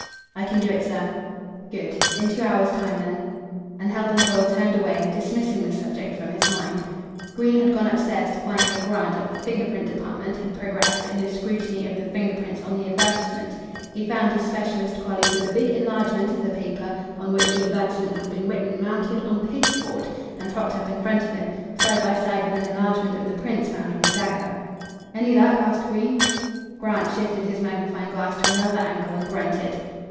"I can do it, sir." "Good. In two hours' time, then." And Heldon Foyle turned away, dismissing the subject from his mind. Green had gone upstairs to find how Grant of the Finger print Department had progressed in his scrutiny of the finger prints on the advertisement. He found his specialist colleague with a big enlargement of the paper on which the advertisement had been written mounted on paste board, and propped up in front of him, side by side with an enlargement of the prints found on the dagger. "Any luck?" asked Green. Grant shifted his magnifying glass to another angle and grunted.